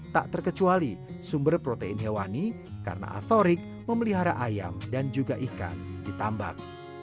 tak terkecuali sumber protein hewani karena atorik memelihara ayam dan juga ikan di tambak